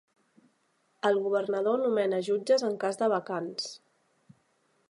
El Governador nomena jutges en cas de vacants.